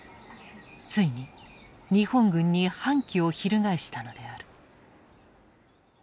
ついに日本軍に反旗を翻したのである。